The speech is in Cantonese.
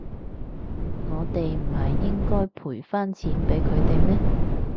我哋唔係應該賠返錢畀佢哋咩？